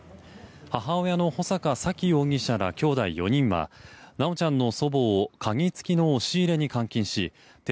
母親の穂坂沙喜容疑者らきょうだい４人は修ちゃんの祖母を鍵付きの押し入れに監禁し鉄